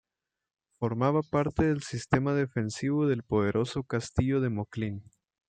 Formaba parte del sistema defensivo del poderoso Castillo de Moclín.